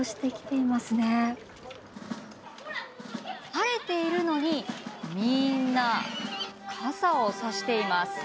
晴れているのにみんな傘をさしています。